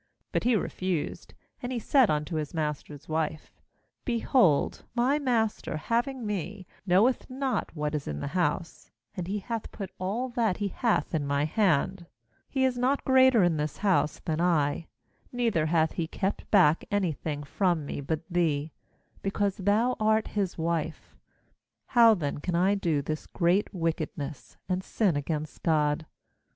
8But he refused, and said unto his master's wife: 'Behold, my master, having me, knoweth not what is in the house, and he hath put all that he hath into my hand; 9he is not greater in this house than I; neither hath he kept back any thing from me but thee, because thou art his wife. How then can I do this great wicked ness, and sin against God?'